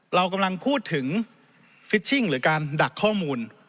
เรากำลังพูดถึงฟิชชิงหรือการดักข้อมูล